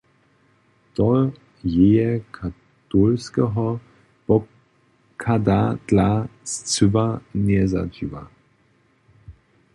To jeje katolskeho pochada dla scyła njezadźiwa.